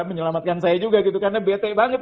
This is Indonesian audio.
menyelamatkan saya juga gitu karena bete banget